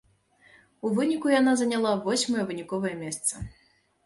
У выніку яна заняла восьмае выніковае месца.